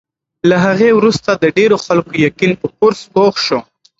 له هغې وروسته د ډېرو خلکو یقین په کورس پوخ شو.